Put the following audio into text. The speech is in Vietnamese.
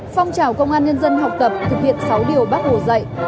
phong trào công an nhân dân học tập thực hiện sáu điều bác hồ dạy